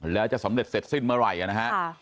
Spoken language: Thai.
แล้วจะสำเร็จเสร็จสิ้นเมื่อไหร่นะฮะ